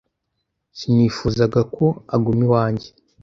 Sinifuzaga ko aguma iwanjye